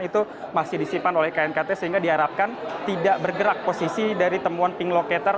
itu masih disimpan oleh knkt sehingga diharapkan tidak bergerak posisi dari temuan ping locator